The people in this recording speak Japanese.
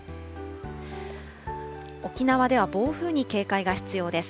沖縄では暴風に警戒が必要です。